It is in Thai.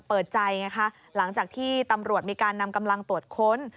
เปิดใจไงคะหลังจากที่ตำรวจมีการนำกำลังตรวจค้น